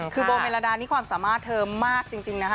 คือโบเมลาดานี่ความสามารถเธอมากจริงนะคะ